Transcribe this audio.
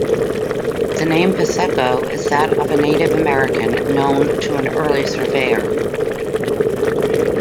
The name Piseco is that of a Native American known to an early surveyor.